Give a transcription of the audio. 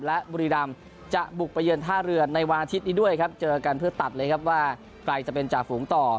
และบุรีรำจะบุกไปเยือนท่าเรือในวันอาทิตย์นี้ด้วยครับเจอกันเพื่อตัดเลยครับว่าใครจะเป็นจ่าฝูงต่อ